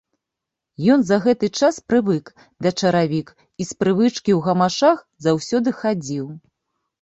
Ён за гэты час прывык да чаравік і з прывычкі ў гамашах заўсёды хадзіў.